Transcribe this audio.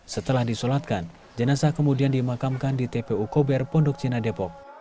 setelah disolatkan jenazah kemudian dimakamkan di tpu kober pondok cina depok